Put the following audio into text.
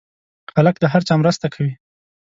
هلک د هر چا مرسته کوي.